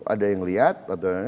ada yang liat